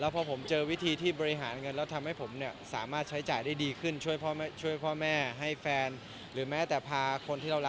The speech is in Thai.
เพื่อที่จะนำความสุขเข้ามาหาเราเพิ่มขึ้น